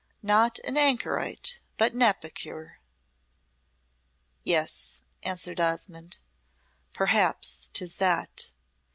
"Not an anchorite but an epicure." "Yes," answered Osmonde, "perhaps 'tis that.